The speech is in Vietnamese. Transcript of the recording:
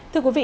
thưa quý vị